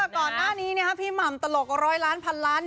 ก่อนหน้านี้พี่หม่ำตลก๑๐๐ล้านพันล้าน